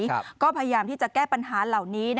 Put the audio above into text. มันพยายามการแก้ปัญหาเหล่านี้